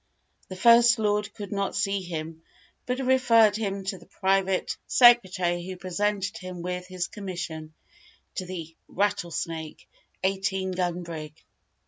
The First Lord could not see him, but referred him to the private secretary, who presented him with his commission to the Rattlesnake, eighteen gun brig.